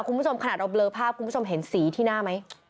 คุณผู้ชมขนาดเราเลอภาพคุณผู้ชมเห็นสีที่หน้าไหม